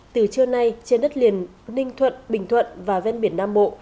từ trưa nay trên đất liền ninh thuận bình thuận và ven biển nam bộ